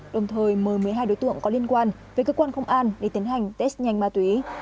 đồng thời mời một mươi hai đối tượng có liên quan về cơ quan công an để tiến hành test nhanh ma túy